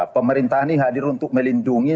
pemerintah ini hadir untuk melindungi